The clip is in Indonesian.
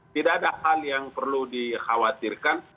tidak ada hal yang perlu dikhawatirkan